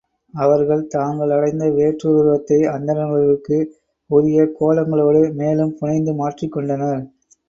அவர்கள் தாங்கள் அடைந்த வேற்றுருவத்தை, அந்தணர்களுக்கு உரிய கோலங்களோடு மேலும் புனைந்து மாற்றிக் கொண்டனர்.